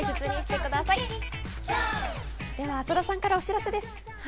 浅田さんからお知らせです。